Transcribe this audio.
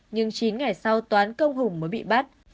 nhưng chín ngày sau toán công hùng mới bị bắt